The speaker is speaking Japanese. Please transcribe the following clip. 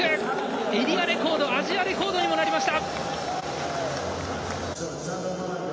エリアレコードアジアレコードにもなりました！